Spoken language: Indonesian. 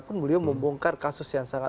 pun beliau membongkar kasus yang sangat